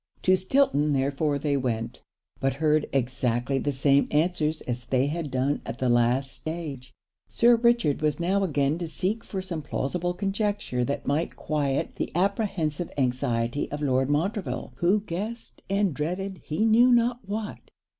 To Stilton therefore they went, but heard exactly the same answers as they had done at the last stage. Sir Richard was now again to seek for some plausible conjecture that might quiet the apprehensive anxiety of Lord Montreville, who guessed and dreaded he knew not what.